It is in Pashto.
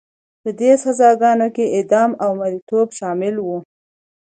په دې سزاګانو کې اعدام او مریتوب شامل وو.